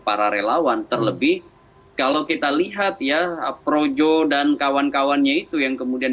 para relawan terlebih kalau kita lihat ya projo dan kawan kawannya itu yang kemudian